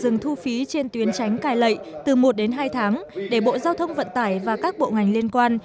thủ tướng đã dừng thu phí trên tuyến tránh cai lệ từ một đến hai tháng để bộ giao thông vận tải và các bộ ngành liên quan